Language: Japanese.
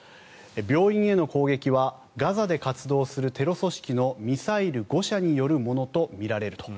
病院への攻撃はガザで活動するテロ組織のミサイル誤射によるものとみられると。